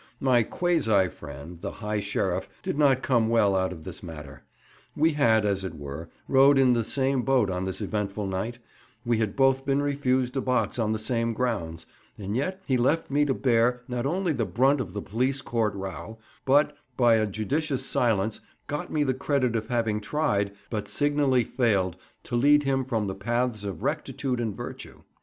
My quasi friend, the High Sheriff, did not come well out of this matter. We had, as it were, rowed in the same boat on this eventful night, we had both been refused a box on the same grounds, and yet he left me to bear, not only the brunt of the police court row, but, by a judicious silence, got me the credit of having tried but signally failed to lead him from the paths of rectitude and virtue.